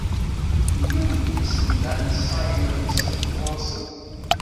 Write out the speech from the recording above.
Yella wedlis n Dan Simmons ɣur-sen.